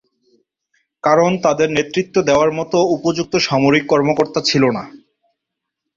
কারণ তাঁদের নেতৃত্ব দেওয়ার মতো উপযুক্ত সামরিক কর্মকর্তা ছিল না।